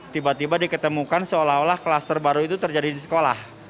tiba tiba diketemukan seolah olah kluster baru itu terjadi di sekolah